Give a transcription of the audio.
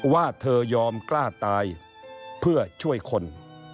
ว่าเธอยอมกล้าตายเพื่อช่วยคน